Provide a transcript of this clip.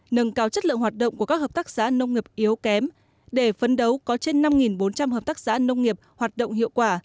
nâng cao chất lượng hoạt động của các hợp tác xã nông nghiệp yếu kém để phấn đấu có trên năm bốn trăm linh hợp tác xã nông nghiệp hoạt động hiệu quả